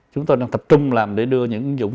chúng tôi đang tập trung làm để đưa những ứng dụng